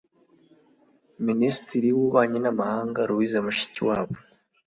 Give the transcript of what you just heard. Minisitiri w’Ububanyi n’Amahanga Louise Mushikiwabo